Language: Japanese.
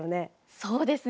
そうですね。